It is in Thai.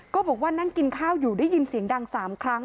บอกว่านั่งกินข้าวอยู่ได้ยินเสียงดัง๓ครั้ง